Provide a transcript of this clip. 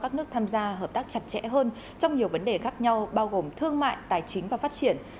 các nước tham gia hợp tác chặt chẽ hơn trong nhiều vấn đề khác nhau bao gồm thương mại tài chính và phát triển